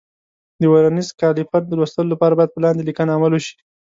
د ورنیز کالیپر د لوستلو لپاره باید په لاندې لیکنه عمل وشي.